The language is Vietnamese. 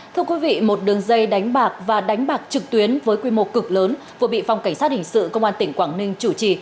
thưa quý vị một đường dây đánh bạc và đánh bạc trực tuyến với quy mô cực lớn vừa bị phòng cảnh sát hình sự công an tỉnh quảng ninh chủ trì